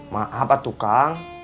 maaf pak tukang